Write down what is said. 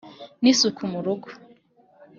ni isuku mu rugo.